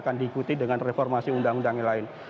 akan diikuti dengan reformasi undang undang yang lain